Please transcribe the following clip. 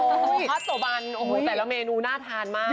โอ้โฮฮอตโตบันแต่ละเมนูน่าทานมาก